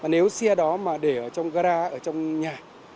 nếu xe đó mà để ở trong gara ở trong nhà